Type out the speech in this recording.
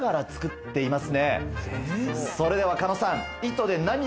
それでは狩野さん。